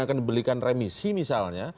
akan dibelikan remisi misalnya